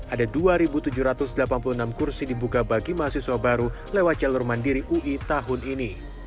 ada dua tujuh ratus delapan puluh enam kursi dibuka bagi mahasiswa baru lewat jalur mandiri ui tahun ini